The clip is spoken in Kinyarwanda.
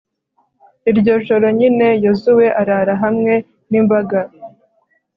iryo joro nyine yozuwe arara hamwe n'imbaga